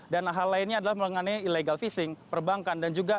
dan hal lainnya adalah mengenai illegal fishing perbankan